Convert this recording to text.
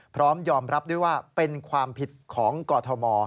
พร้อมยอมรับด้วยว่าเป็นความผิดของกรทม